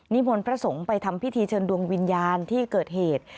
มนต์พระสงฆ์ไปทำพิธีเชิญดวงวิญญาณที่เกิดเหตุ